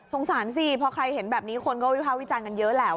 สงสันสีเพราะใครเห็นแบบนี้คนก็วิภาวิจารณ์ยังเยอะแหละ